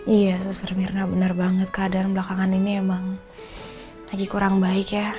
iya susah mirna benar banget keadaan belakangan ini emang lagi kurang baik ya